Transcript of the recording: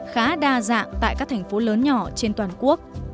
khá đa dạng tại các thành phố lớn nhỏ trên toàn quốc